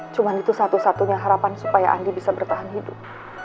cuma itu satu satunya harapan supaya andi bisa bertahan hidup